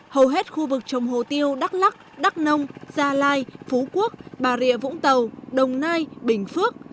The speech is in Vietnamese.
hầu hết khu vực trồng hồ tiêu đắk lắc đắk nông gia lai phú quốc bà rịa vũng tàu đồng nai bình phước